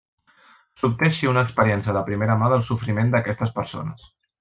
S'obté així una experiència de primera mà del sofriment d'aquestes persones.